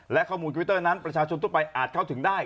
และข้อมูลทวิตเตอร์นั้นประชาชนทั่วไปอาจเข้าถึงได้